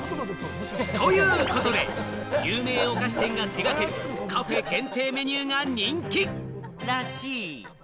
ということで、有名お菓子店が手掛けるカフェ限定メニューが人気らしい。